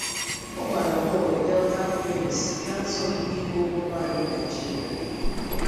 Ọ gbara bọọlụ Delta Queens n'asọmpị iko ụmụ nwanyị Naịjirịa.